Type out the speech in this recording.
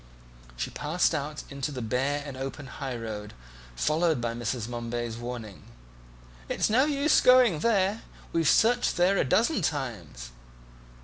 She passed out into the bare and open high road, followed by Mrs. Momeby's warning, "It's no use going there, we've searched there a dozen times."